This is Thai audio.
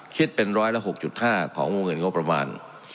คิดเป็นร้อยละ๖๕ของวงเงินงบประมาณ